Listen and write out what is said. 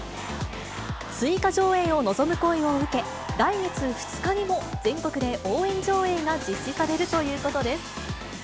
追加上映を望む声を受け、来月２日にも全国で応援上映が実施されるということです。